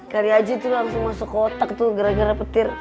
dari aji tuh langsung masuk kotak tuh gara gara petir